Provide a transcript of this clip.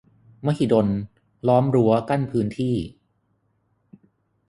- มหิดล ล้อมรั้วกั้นพื้นที่